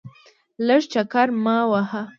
لږ چکر مو وواهه.